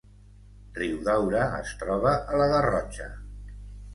Riudaura es troba a la Garrotxa